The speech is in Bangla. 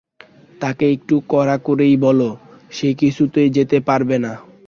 তাকে একটু কড়া করেই বোলো, সে কিছুতেই যেতে পারবে না।